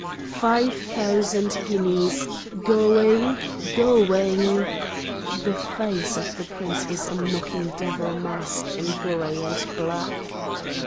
"Five thousand guineas ... going ... going ..." The face of the prince was a mocking devil mask in gray and black.